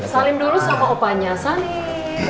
salim dulu sama opanya salim